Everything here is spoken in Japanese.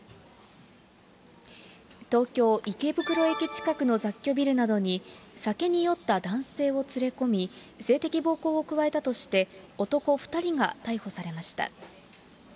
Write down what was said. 東京・池袋駅近くの雑居ビルなどに、酒に酔った男性を連れ込み、性的暴行を加えたとして、男２人が逮捕されました。